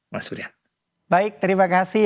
mas huda baik terima kasih